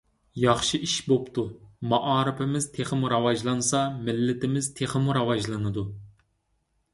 ياخشى ئىش بوپتۇ. مائارىپىمىز تېخىمۇ راۋاجلانسا مىللىتىمىز تېخىمۇ راۋاجلىنىدۇ.